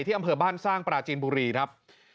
อำเภอบ้านสร้างปราจีนบุรีครับ